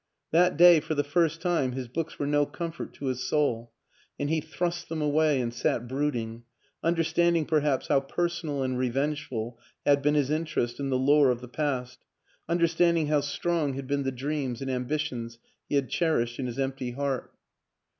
That day, for the first time, his books were no comfort to his soul and he thrust them away and sat brooding un derstanding perhaps how personal and revengeful had been his interest in the lore of the past, un derstanding how strong had been the dreams and ambitions he had cherished in his empty heart.